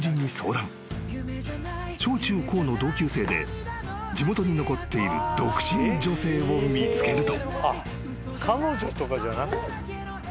［小中高の同級生で地元に残っている独身女性を見つけると］